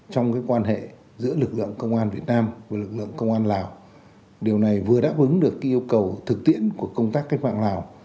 trong quan hệ giữa lực lượng công an việt nam và lực lượng công an lào điều này vừa đáp ứng được yêu cầu thực tiễn của công tác cách mạng lào